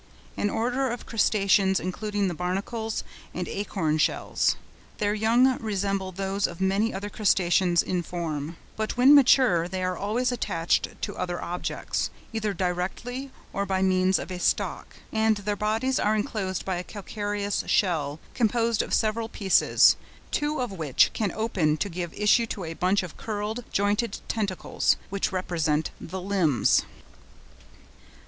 —An order of Crustaceans including the Barnacles and Acorn shells. Their young resemble those of many other Crustaceans in form; but when mature they are always attached to other objects, either directly or by means of a stalk, and their bodies are enclosed by a calcareous shell composed of several pieces, two of which can open to give issue to a bunch of curled, jointed tentacles, which represent the limbs.